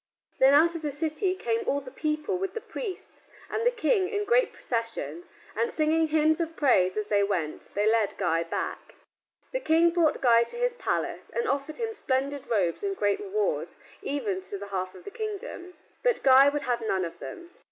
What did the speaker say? Then out of the city came all the people with the priests and King in great procession, and singing hymns of praise as they went, they led Guy back. The King brought Guy to his palace and offered him splendid robes and great rewards, even to the half of the kingdom. But Guy would have none of them.